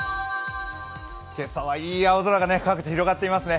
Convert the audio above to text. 今朝はいい青空が各地広がっていますね。